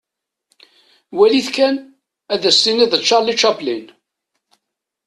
Wali-t kan, ad as-tiniḍ d Charlie Chaplin.